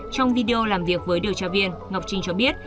trong video làm việc với điều tra viên ngọc trinh cho biết